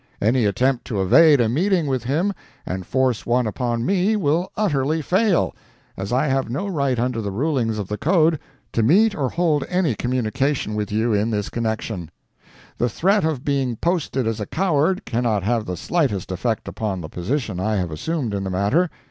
Any attempt to evade a meeting with him and force one upon me will utterly fail, as I have no right under the rulings of the code, to meet or hold any communication with you in this connection. The threat of being posted as a coward cannot have the slightest effect upon the position I have assumed in the matter.